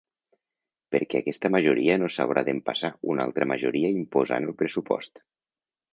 Perquè aquesta majoria no s’hauria d’empassar una altra majoria imposant el pressupost.